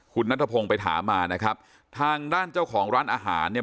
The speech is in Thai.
คุณนัทพงศ์ไปถามมานะครับทางด้านเจ้าของร้านอาหารเนี่ย